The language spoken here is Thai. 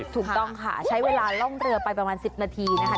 ถูกต้องค่ะใช้เวลาล่องเรือไปประมาณ๑๐นาทีนะคะ